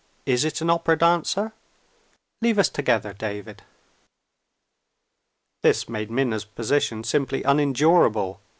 Is it an opera dancer? Leave us together, David." This made Minna's position simply unendurable.